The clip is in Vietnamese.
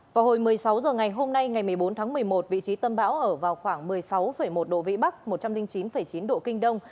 vào hồi một mươi sáu h ngày hôm nay ngày một mươi bốn tháng một mươi một vị trí tâm bão ở vào khoảng một mươi sáu một độ vĩ bắc một trăm linh chín chín độ kinh đông